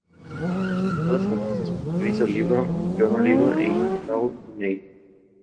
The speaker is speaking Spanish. Todas compuestas por Criss Oliva, Jon Oliva y Paul O'Neill.